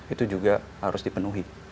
itu juga harus dipenuhi